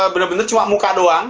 bener bener cuma muka doang